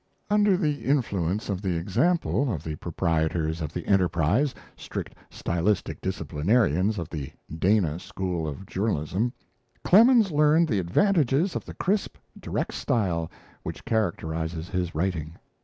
Under the influence of the example of the proprietors of the 'Enterprise', strict stylistic disciplinarians of the Dana school of journalism, Clemens learned the advantages of the crisp, direct style which characterizes his writing.